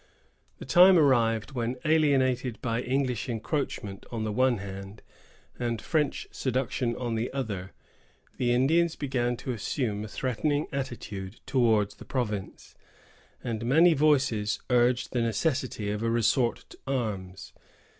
The time arrived when, alienated by English encroachment on the one hand and French seduction on the other, the Indians began to assume a threatening attitude towards the province; and many voices urged the necessity of a resort to arms.